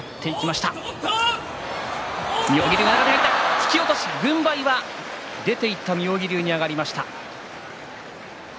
突き落とし軍配は出ていった妙義龍に上がりました。